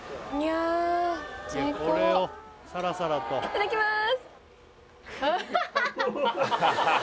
あっいただきます